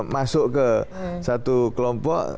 masuk ke satu kelompok